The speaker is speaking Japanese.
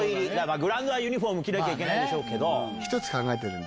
グラウンドはユニフォーム着なきゃいけないでしょうけど。